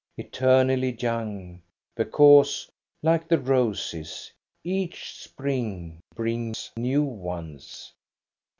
Eternally young, because, like the roses, each spring brings new ones.